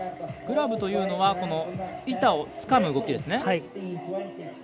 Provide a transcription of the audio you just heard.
グラブというのは板をつかむ動きですね。